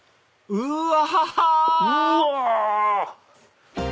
うわ！